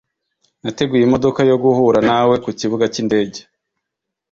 nateguye imodoka yo guhura nawe kukibuga cyindege.